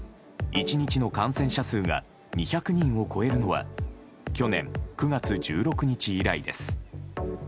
１日の感染者数が２００人を超えるのは去年９月１６日以来です。